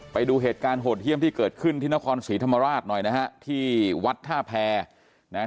ไปดูเหตุการณ์โหดเที่ยมที่เกิดขึ้นที่นครศรีธรรมราชที่วัดท่าแพง